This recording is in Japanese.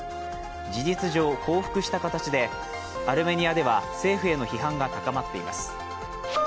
事実上、降伏した形でアルメニアでは政府への批判が高まっています